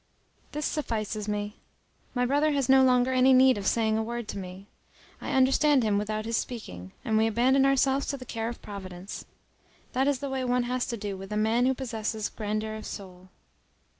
This suffices me. My brother has no longer any need of saying a word to me. I understand him without his speaking, and we abandon ourselves to the care of Providence. That is the way one has to do with a man who possesses grandeur of soul.